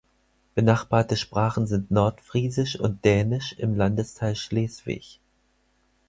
Benachbarte Sprachen sind Nordfriesisch und Dänisch im Landesteil Schleswig.